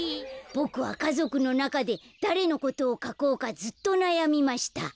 「ボクはかぞくのなかでだれのことをかこうかずっとなやみました。